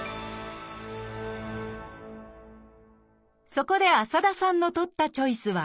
そこで浅田さんの取ったチョイスは？